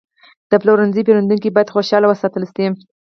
د پلورنځي پیرودونکي باید خوشحاله وساتل شي.